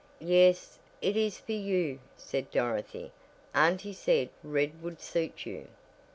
"Yes, it is for you," said Dorothy, "Auntie said red would suit you."